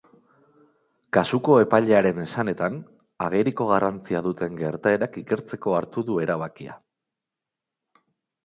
Kasuko epailearen esanetan, ageriko garrantzia duten gertaerak ikertzeko hartu du erabakia.